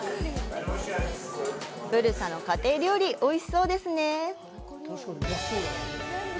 ブルサの家庭料理、おいしそうですね。